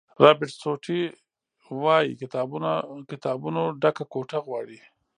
رابرټ سوټي وایي کتابونو ډکه کوټه غواړي.